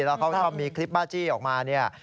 แล้วเขาชอบมีคลิปบ้าจี้ออกมาเนี่ย